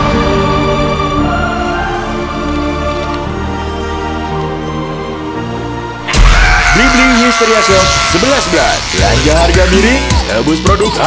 tuhan dari syaitan yang berburu